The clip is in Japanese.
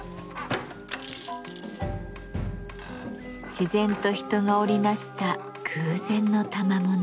自然と人が織り成した偶然のたまもの。